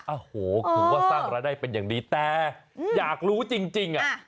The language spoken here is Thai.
โอ้โหถือว่าสร้างรายได้เป็นอย่างดีแต่อยากรู้จริงอ่ะ